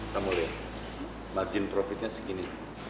kamu lihat margin profitnya segini